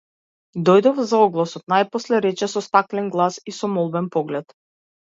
Дојдов за огласот, најпосле рече со стаклен глас и со молбен поглед.